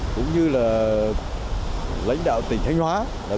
cũng như là lãnh đạo tỉnh thanh hóa